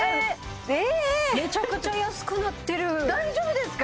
めちゃくちゃ安くなってる大丈夫ですか？